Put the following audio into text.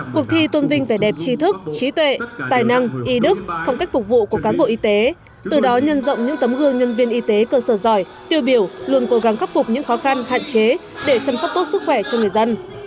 cuộc thi tôn vinh vẻ đẹp trí thức trí tuệ tài năng y đức phong cách phục vụ của cán bộ y tế từ đó nhân rộng những tấm gương nhân viên y tế cơ sở giỏi tiêu biểu luôn cố gắng khắc phục những khó khăn hạn chế để chăm sóc tốt sức khỏe cho người dân